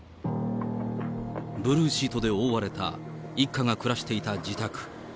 ブルーシートで覆われた、一家が暮らしていた自宅。